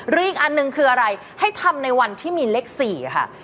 อีกอันหนึ่งคืออะไรให้ทำในวันที่มีเลข๔ค่ะ